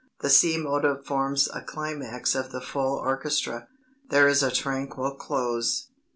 The Sea motive forms a climax of the full orchestra. There is a tranquil close.